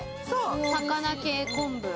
魚系昆布。